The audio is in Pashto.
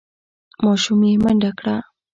ماشوم یې منډه کړه.